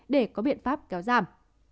để có biện pháp kéo giảm